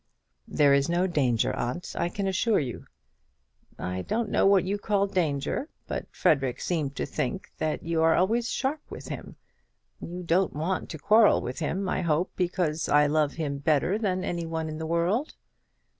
"There is no danger, aunt, I can assure you." "I don't know what you call danger; but Frederic seemed to think that you are always sharp with him. You don't want to quarrel with him, I hope, because I love him better than any one in the world?"